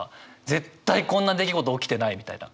絶対こんな出来事起きてないみたいな。